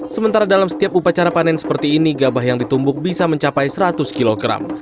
sementara dalam setiap upacara panen seperti ini gabah yang ditumbuk bisa mencapai seratus kg